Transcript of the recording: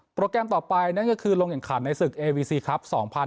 แกรมต่อไปนั่นก็คือลงแข่งขันในศึกเอวีซีครับ๒๐๑๖